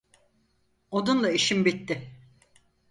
Onunla işim bitti.